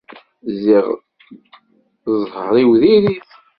Ziɣ ẓẓher-iw diri-t.